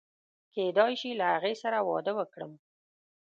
کېدای شي له هغې سره واده وکړم.